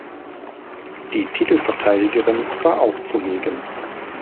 Die Titelverteidigerin war auch zugegen.